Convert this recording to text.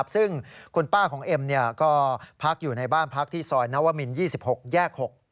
ซึ่งคุณป้าของเอ็มก็พักอยู่ในบ้านพักที่ซอยนวมิน๒๖แยก๖